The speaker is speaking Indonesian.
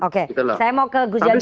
oke saya mau ke gus jansen